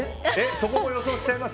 そこも予想しちゃいます？